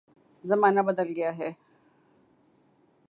زمانہ بدل گیا ہے۔